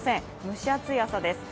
蒸し暑い朝です。